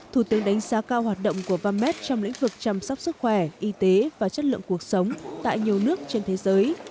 thủ tướng đánh giá cao hoạt động của vams trong lĩnh vực chăm sóc sức khỏe y tế và chất lượng cuộc sống tại nhiều nước trên thế giới